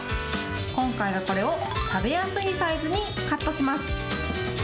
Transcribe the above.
今回はこれを食べやすいサイズにカットします。